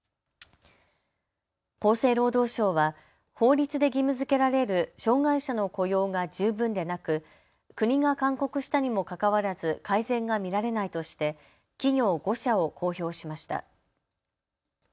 厚生労働省は法律で義務づけられる障害者の雇用が十分でなく、国が勧告したにもかかわらず改善が見られないとして企業５社を公表しました。